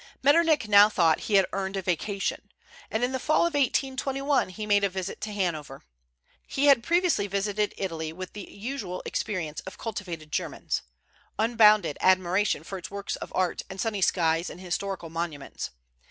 Metternich now thought he had earned a vacation, and in the fall of 1821 he made a visit to Hanover. He had previously visited Italy with the usual experience of cultivated Germans, unbounded admiration for its works of art and sunny skies and historical monuments.